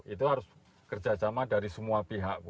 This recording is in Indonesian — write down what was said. itu harus kerja sama dari semua pihak